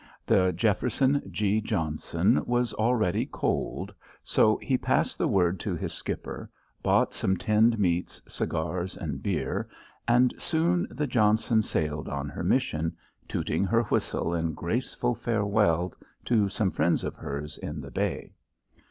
The Jefferson G. Johnson was already coaled, so he passed the word to his skipper, bought some tinned meats, cigars, and beer, and soon the Johnson sailed on her mission, tooting her whistle in graceful farewell to some friends of hers in the bay.